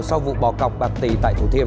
sau vụ bỏ cọc bạc tỷ tại thủ thiêm